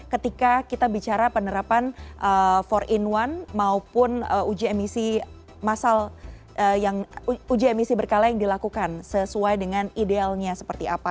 ketika kita bicara penerapan empat in satu maupun uji emisi uji emisi berkala yang dilakukan sesuai dengan idealnya seperti apa